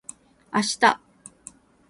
あした